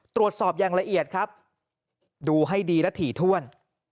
ตรวจสอบอย่างละเอียดครับดูให้ดีและถี่ถ้วน